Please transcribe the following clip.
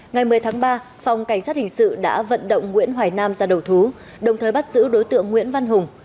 ngày một mươi tháng ba phòng cảnh sát hình sự đã vận động nguyễn hoài nam ra đầu thú đồng thời bắt giữ đối tượng nguyễn văn hùng